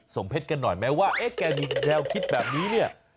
ส่งเพชรกันหน่อยแม้ว่าแกมีแดวคิดแบบนี้